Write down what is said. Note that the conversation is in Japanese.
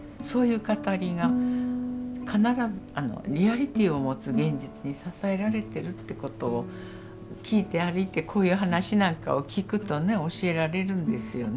そういう語りが必ずリアリティーを持つ現実に支えられてるってことをきいて歩いてこういう話なんかをきくとね教えられるんですよね。